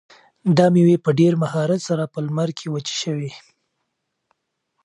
دا مېوې په ډېر مهارت سره په لمر کې وچې شوي.